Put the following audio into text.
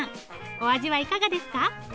お味はいかがですか？